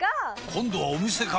今度はお店か！